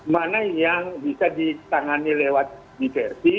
mana yang bisa ditangani lewat diversi